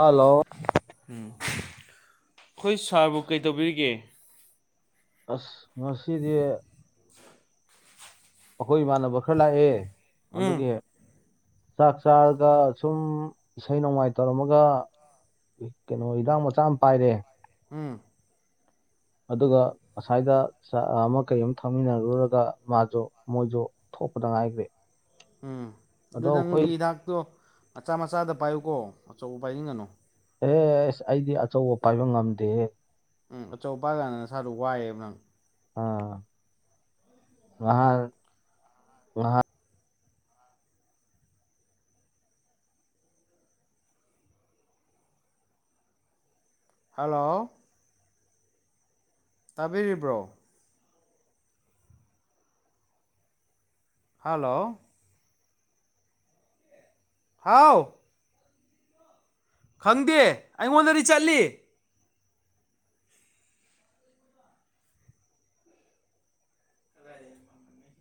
hello ꯎꯝ ꯑꯩꯈꯣꯏ ꯁꯥꯔꯕꯨ ꯀꯩ ꯇꯧꯕꯤꯔꯤꯒꯦ ꯑꯁ ꯉꯁꯤꯗꯤ ꯑꯩꯈꯣꯏ ꯏꯃꯥꯟꯅꯕ ꯈꯔ ꯂꯥꯛꯑꯦ ꯑꯗꯨꯒꯤ ꯆꯥꯛ ꯆꯥꯔꯒꯥ ꯁꯨꯝ ꯏꯁꯩ ꯅꯣꯡꯃꯥꯏ ꯇꯧꯔꯝꯃꯒꯥ ꯀꯩꯅꯣ ꯍꯤꯗꯥꯛ ꯃꯆꯥ ꯑꯃ ꯄꯥꯏꯔꯦ ꯎꯝ ꯑꯗꯨꯒꯥ ꯑꯁꯥꯏꯗꯥ ꯆꯥ ꯑꯃ ꯀꯔꯤ ꯑꯃ ꯊꯛꯃꯤꯟꯅꯔꯨꯔꯒꯥ ꯃꯥꯖꯨ ꯃꯣꯏꯖꯨ ꯊꯣꯛꯄꯗꯥ ꯉꯥꯏꯒ꯭ꯔꯦ ꯎꯝ ꯑꯗꯨ ꯅꯪꯒꯤ ꯍꯤꯗꯥꯛꯇꯣ ꯃꯆꯥ ꯃꯆꯥꯗꯥ ꯄꯥꯏꯌꯨꯀꯣ ꯑꯆꯧꯕ ꯄꯥꯏꯅꯤꯡꯒꯅꯨ ꯑꯦ ꯑꯦꯁ ꯑꯩꯗꯤ ꯑꯆꯧꯕ ꯄꯥꯏꯕ ꯉꯝꯗꯦ ꯎꯝ ꯑꯆꯧ ꯄꯥꯏꯀꯥꯟꯗꯥ ꯅꯁꯥꯗꯣ ꯋꯥꯏꯕ ꯅꯪ ꯑꯥ ꯉꯥꯍꯥꯟ ꯍꯜꯂꯣ ꯇꯥꯕꯤꯔꯤꯕ꯭ꯔꯣ ꯍꯜꯂꯣ ꯍꯥꯎ ꯈꯪꯗꯦ ꯑꯩꯉꯣꯟꯗꯥꯗꯤ ꯆꯠꯂꯤ [unintelligible]